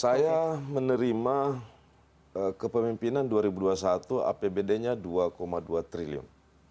saya menerima kepemimpinan dua ribu dua puluh satu apbd nya dua dua triliun